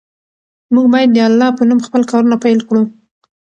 موږ باید د الله په نوم خپل کارونه پیل کړو.